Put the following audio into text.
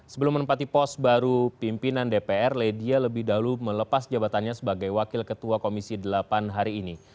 sebelum menempati pos baru pimpinan dpr ledia lebih dahulu melepas jabatannya sebagai wakil ketua komisi delapan hari ini